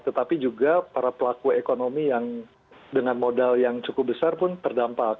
tetapi juga para pelaku ekonomi yang dengan modal yang cukup besar pun terdampak